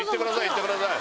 いってください